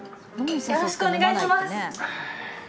よろしくお願いします。